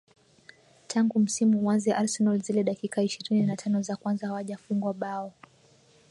tangu msimu uanze arsenal zile dakika ishirini na tano za kwanza hawajafungwa bao